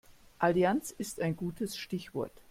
Allianz ist ein gutes Stichwort.